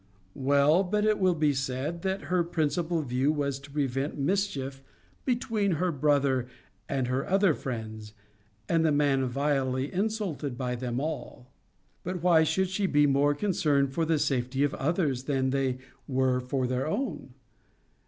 Well, but it will be said, That her principal view was to prevent mischief between her brother and her other friends, and the man vilely insulted by them all. But why should she be more concerned for the safety of others than they were for their own?